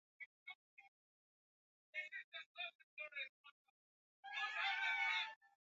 Waweza guza chochote lakini si kile